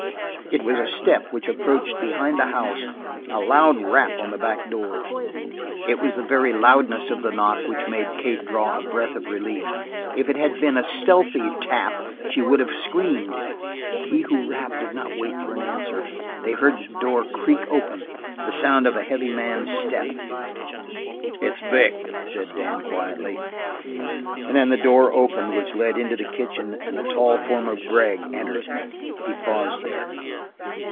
It was a step which approached behind the house; a loud rap at the back door. It was the very loudness of the knock which made Kate draw a breath of relief; if it had been a stealthy tap she would have screamed. He who rapped did not wait for an answer; they heard the door creak open, the sound of a heavy man's step. "It's Vic," said Dan quietly, and then the door opened which led into the kitchen and the tall form of Gregg entered. He paused there.